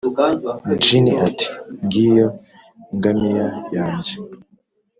djinn, ati: 'ngiyo ingamiya yanjye,